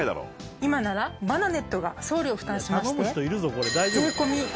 今ならバナネットが送料を負担しまして。